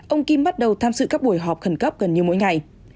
ông kim bắt đầu tham dự các buổi họp khẩn cấp gần như mỗi ngày